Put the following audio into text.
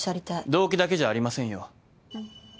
動機だけじゃありませんよ。